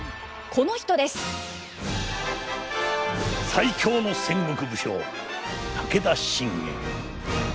最強の戦国武将武田信玄。